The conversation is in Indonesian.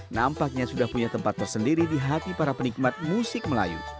nampaknya sudah punya tempat tersendiri di hati para penikmat musik melayu